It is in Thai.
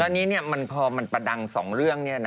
แล้วนี้เนี่ยพอมันประดังสองเรื่องเนี่ยนะ